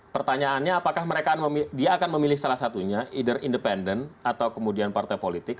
pertanyaannya apakah dia akan memilih salah satunya either independen atau kemudian partai politik